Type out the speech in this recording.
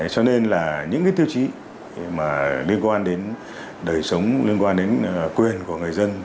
cho nên là những tiêu chí liên quan đến đời sống liên quan đến quyền của người dân